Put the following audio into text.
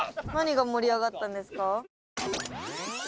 何が盛り上がったんですか？